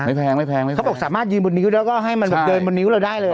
แพงไม่แพงไหมเขาบอกสามารถยืนบนนิ้วแล้วก็ให้มันแบบเดินบนนิ้วเราได้เลย